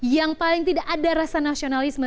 yang paling tidak ada rasa nasionalisme